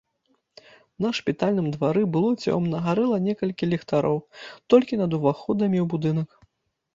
На шпітальным двары было цёмна, гарэла некалькі ліхтароў толькі над уваходамі ў будынак.